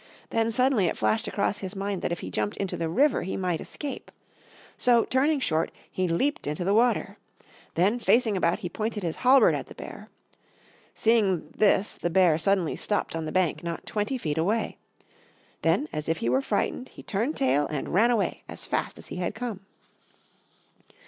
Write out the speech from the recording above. Then suddenly it flashed across his mind that if he jumped into the river he might escape. So turning short he leaped into the water. Then facing about he pointed his halberd at the bear. Seeing this the bear suddenly stopped on the bank not twenty feet away. Then as if he were frightened he turned tail and ran away as fast as he had come.